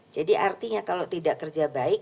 jadi artinya kalau tidak kerja baik